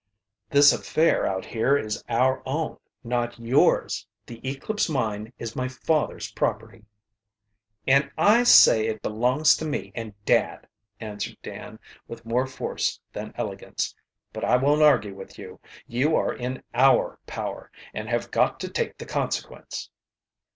"This affair out here is our own, not yours. The Eclipse Mine is my father's property." "And I say it belongs to me and dad," answered Dan, with more force than elegance. "But I won't argue with you. You are in our power and have got to take the consequence."